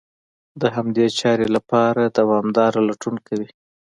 د همدې چارې لپاره دوامداره لټون کوي.